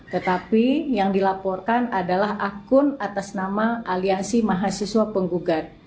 tetapi yang dilaporkan adalah akun atas nama aliansi mahasiswa penggugat